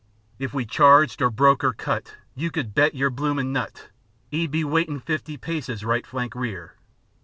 If we charged or broke or cut, You could bet your bloomin' nut, 'E'd be waitin' fifty paces right flank rear.